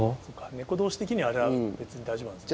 猫同士的にはあれは別に大丈夫なんですね。